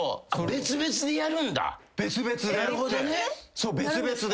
そう別々で。